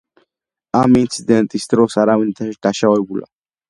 ამ ინციდენტის დროს არავინ დაშავებულა.